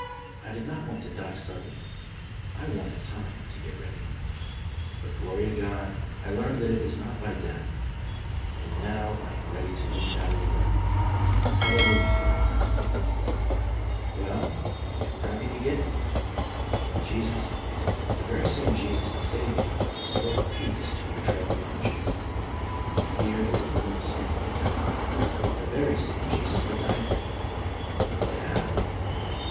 I did not want to die suddenly; I wanted time to get ready. But, glory to God, I learned that it is not by death, and now I am ready to meet that old enemy. Hallelujah for ever ! Well, how can you get it? From Jesus, the very same Jesus that saved you and spoke peace to your troubled con science, when you feared you were going to sink into hell. The very same Jesus that died for you. But how?